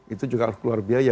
itu juga luar biaya